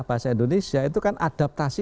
bahasa indonesia itu kan adaptasi